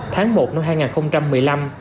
tháng một năm hai nghìn một mươi năm